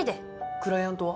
クライアントは？